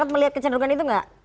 apakah melihat kecerdukan itu gak